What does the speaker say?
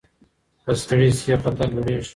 که ستړي شئ خطر لوړېږي.